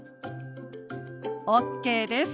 ＯＫです。